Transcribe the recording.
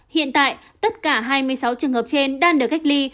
hiện tại tất cả hai mươi sáu trường hợp trên đang được cách ly